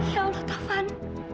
ya allah toh fan